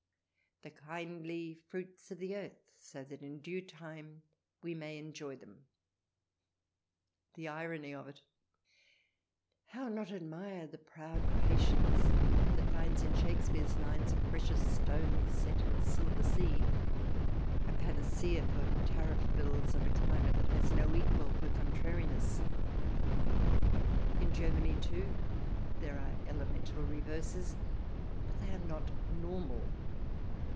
" The kindly fruits of the earth, so that in due time we may enjoy them "— the irony of it ! How not admire the proud patience that finds in Shake speare's hnes, "a precious stone, set in a silver sea," a panacea for Tariff Ills, and a climate that has no equal for contrariness. In Germany, too, there are elemental reverses, but they are not normal.